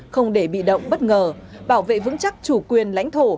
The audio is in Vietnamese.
không để bị động bất ngờ bảo vệ vững chắc chủ quyền lãnh thổ